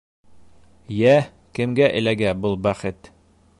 Йә, кемгә эләгә был бәхет?